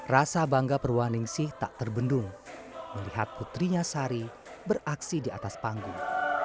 rasa bangga perwaningsih tak terbendung melihat putrinya sari beraksi di atas panggung